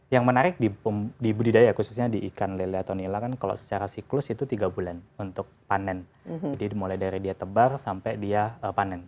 yang menarik di budidaya khususnya di ikan lele atau nila kan kalau secara siklus itu tiga bulan untuk panen jadi mulai dari dia tebar sampai dia panen